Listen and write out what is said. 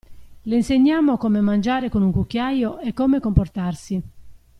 Le insegnammo come mangiare con un cucchiaio, e come comportarsi.